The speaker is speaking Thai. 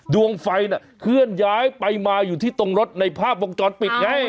ดวงไฟน่ะเคลื่อนย้ายไปมาอยู่ที่ตรงรถในภาพวงจรปิดไง